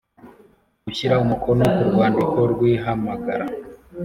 gushyira umukono ku rwandiko rw ihamagara